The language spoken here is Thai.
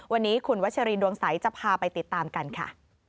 วันนี้คุณวัชรีดวงใสจะพาไปติดตามกันค่ะ